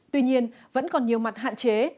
tuy nhiên vẫn còn nhiều mặt hạn chế